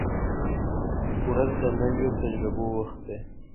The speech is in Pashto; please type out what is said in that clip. • ورځ د نویو تجربو وخت دی.